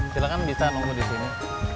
silahkan bisa nunggu di sini